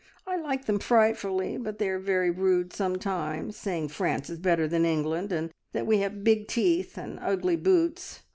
I like them frightfully, but they are very rude sometimes, saying France is better than England, and that we have big teeth and ugly boots.